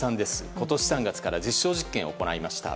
今年３月から実証実験を行いました。